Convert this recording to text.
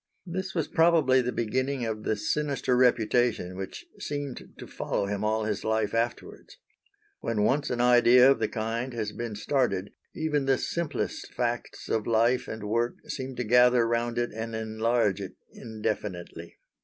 This was probably the beginning of the sinister reputation which seemed to follow him all his life afterwards. When once an idea of the kind has been started even the simplest facts of life and work seem to gather round it and enlarge it indefinitely.